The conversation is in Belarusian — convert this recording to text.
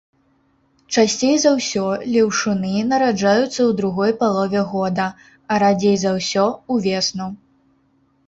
Часцей за ўсё леўшуны нараджаюцца ў другой палове года, а радзей за ўсё ўвесну.